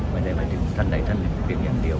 ไม่ได้หมายถึงท่านใดท่านหนึ่งเพียงอย่างเดียว